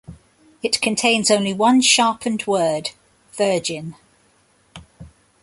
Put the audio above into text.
It contains only one sharpened word - Virgin.